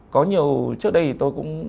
có nhiều trước đây thì tôi cũng